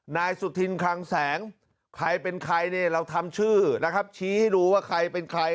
นายสุธินคลังแสงใครเป็นใครเนี่ยเราทำชื่อนะครับชี้ให้รู้ว่าใครเป็นใคร